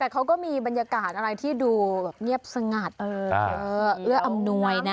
แต่เขาก็มีบรรยากาศอะไรที่ดูแบบเงียบสงัดเอื้ออำนวยนะ